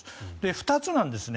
２つなんですね。